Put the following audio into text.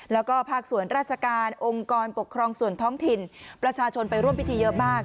แล้วก็ภาคส่วนราชการองค์กรปกครองส่วนท้องถิ่นประชาชนไปร่วมพิธีเยอะมาก